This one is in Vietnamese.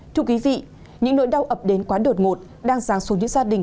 thưa quý vị những nỗi đau ập đến quá đột ngột đang dáng xuống những gia đình